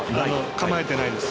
構えてないです。